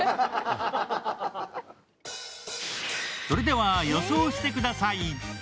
それでは、予想してください。